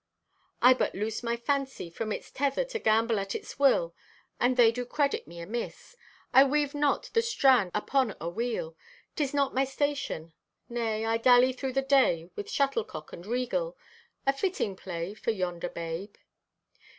"I but loosed my fancy from its tether to gambol at its will, and they do credit me amiss. I weave not with strand upon a wheel. 'Tis not my station. Nay, I dally through the day with shuttle cock and regal—a fitting play for yonder babe.